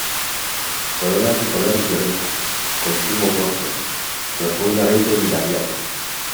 Corola de color violeta, con tubo corto, profundamente bilabiado.